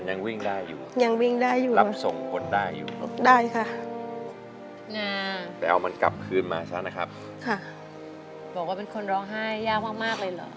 อย่างกับมีคนร้องไห้ยากมากเลยเหรอ